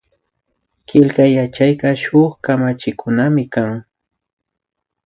Killkay yachayka shuk kamachikunamikan